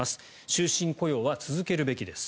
終身雇用は続けるべきです。